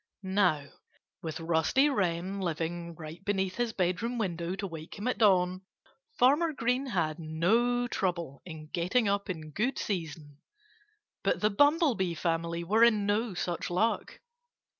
Now, with Rusty Wren living right beneath his bedroom window to wake him at dawn, Farmer Green had no trouble in getting up in good season. But the Bumblebee family were in no such luck.